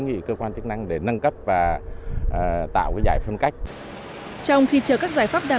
nghỉ cơ quan chức năng để nâng cấp và tạo giải phân cách trong khi chờ các giải pháp đảm